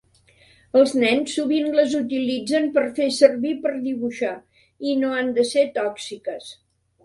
Els nens sovint les utilitzen per fer servir per dibuixar i no han de ser tòxiques.